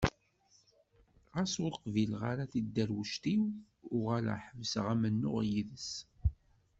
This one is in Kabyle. Xas ur qbileɣ ara tidderwect-iw uɣaleɣ ḥebseɣ amennuɣ yid-s.